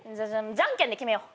じゃんけんで決めよう。